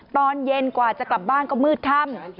ตอนเย็นกว่าจะกลับบ้านก็มืดค่ำ